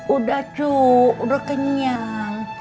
udah cu udah kenyang